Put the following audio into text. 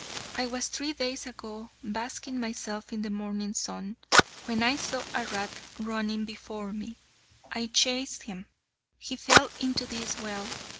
I was three days ago basking myself in the morning sun, when I saw a rat running before me. I chased him. He fell into this well.